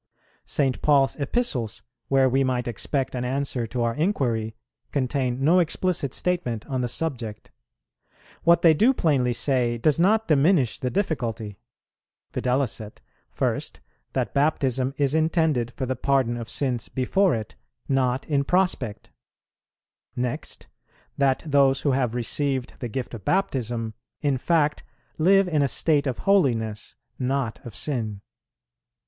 St. Paul's Epistles, where we might expect an answer to our inquiry, contain no explicit statement on the subject; what they do plainly say does not diminish the difficulty: viz., first, that baptism is intended for the pardon of sins before it, not in prospect; next, that those who have received the gift of Baptism in fact live in a state of holiness, not of sin.